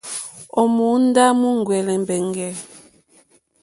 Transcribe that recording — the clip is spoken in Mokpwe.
Móǒndá múúŋwɛ̀lɛ̀ mbɛ̀ŋgɛ̀.